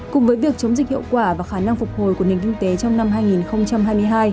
cùng với việc chống dịch hiệu quả và khả năng phục hồi của nền kinh tế trong năm hai nghìn hai mươi hai